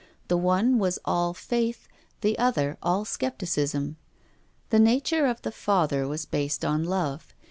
The one was all faith, the other all scepticism. The na ture of the Father was based on love.